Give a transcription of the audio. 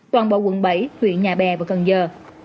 toàn bộ quận bảy huyện nhà bè và cần giờ